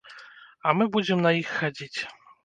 А мы будзем на іх хадзіць!